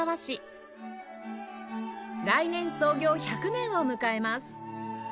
来年創業１００年を迎えます